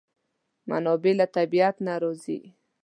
منابع له طبیعت نه راځي.